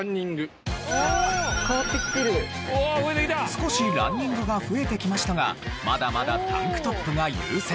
少しランニングが増えてきましたがまだまだタンクトップが優勢。